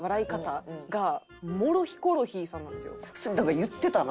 言ってたな。